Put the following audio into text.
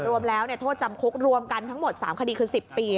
รวมแล้วโทษจำคุกรวมกันทั้งหมด๓คดีคือ๑๐ปี